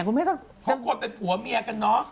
เขาควรเป็นหัวเมียกันเนาะ